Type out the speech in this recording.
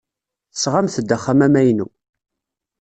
Tesɣamt-d axxam amaynu.